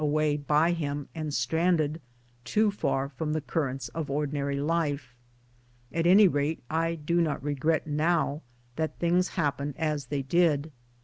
way by him and stranded, too far from the currents of ordinary life. At any rate I do not regret now that things happened as they did.